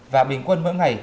và bình quân mỗi ngày